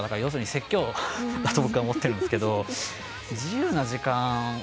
だと僕は思ってるんですけど。